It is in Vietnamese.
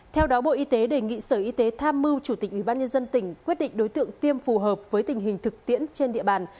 theo đó bộ y tế đề nghị sở y tế tham mưu chủ tịch ubnd tỉnh quyết định đối tượng tiêm phù hợp với tình hình thực tiễn trên địa bàn